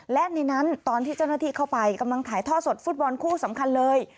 และในนั้นตอนที่เจ้าหน้าที่เข้าไปกำลังถ่ายท่อสดฟุตบอลคู่สำคัญเลย